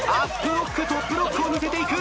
ロックトップロックを見せていく。